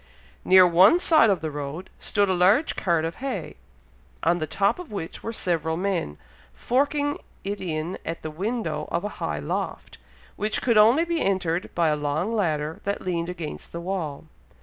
Near one side of the road stood a large cart of hay, on the top of which were several men, forking it in at the window of a high loft, which could only be entered by a long ladder that leaned against the wall.